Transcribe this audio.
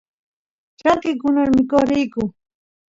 charki kunan mikoq riyku